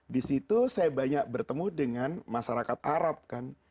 disitu saya banyak bertemu dengan masyarakat arab kan